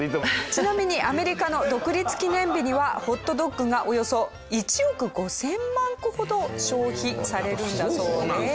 ちなみにアメリカの独立記念日にはホットドッグがおよそ１億５０００万個ほど消費されるんだそうです。